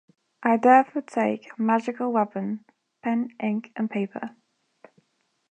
I therefore take "magical weapons", pen, ink, and paper ...